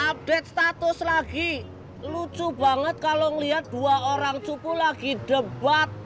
update status lagi lucu banget kalau ngeliat dua orang suku lagi debat